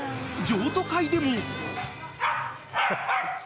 ［譲渡会でも］